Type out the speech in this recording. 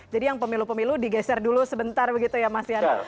jadi yang pemilu pemilu digeser dulu sebentar begitu ya mas yana